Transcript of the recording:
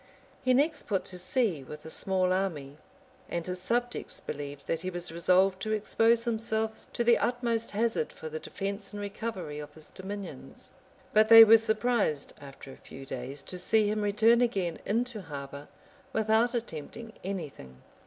He next put to sea with a small army, and his subjects believed that he was resolved to expose himself to the utmost hazard for the defence and recovery of his dominions; but they were surprised, after a few days, to see him return again into harbor, without attempting anything.